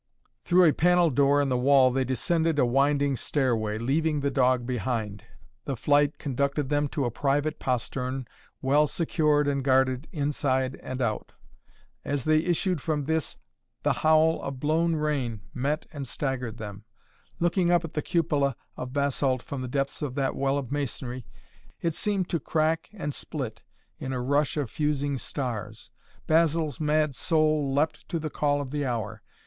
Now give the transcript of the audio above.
Through a panel door in the wall they descended a winding stairway, leaving the dog behind. The flight conducted them to a private postern, well secured and guarded inside and out. As they issued from this the howl of blown rain met and staggered them. Looking up at the cupola of basalt from the depths of that well of masonry, it seemed to crack and split in a rush of fusing stars. Basil's mad soul leapt to the call of the hour.